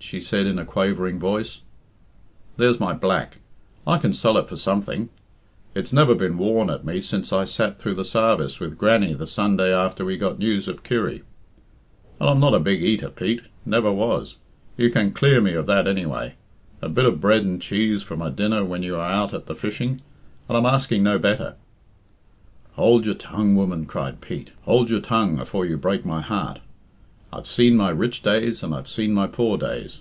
she said in a quavering voice. "There's my black I can sell it for something it's never been wore at me since I sat through the sarvice with Grannie the Sunday after we got news of Kirry. And I'm not a big eater, Pete never was you can clear me of that anyway. A bit of bread and cheese for my dinner when you are out at the fishing, and I'm asking no better " "Hould your tongue, woman," cried Pete. "Hould your tongue afore you break my heart I've seen my rich days and I've seen my poor days.